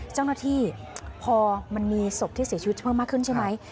เจ้าหน้าที่พอมันมีศพที่เสียชีวิตเพิ่มมากขึ้นใช่ไหม